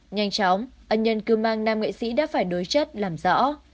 nhanh chóng ân nhân cứ mang nam nghệ sĩ đã phải đối chất làm rõ